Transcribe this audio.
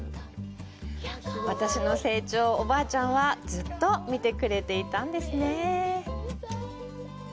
私の成長を、おばあちゃんはずっと見てくれていたんですね。